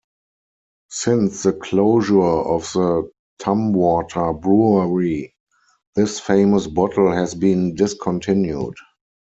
Since the closure of the Tumwater brewery, this famous bottle has been discontinued.